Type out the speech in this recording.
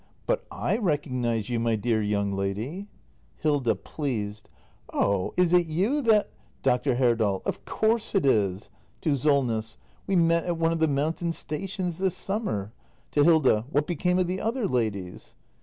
] But I recognise you, my dear young lady Hilda. [Pleased.] Oh, is it you that Dr. Herdal. Of course it is. [To Solness.] We met at one of the mountain stations this summer. [To Hilda.] What became of the other ladies